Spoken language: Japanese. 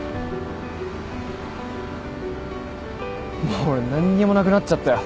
もう俺何にもなくなっちゃったよ。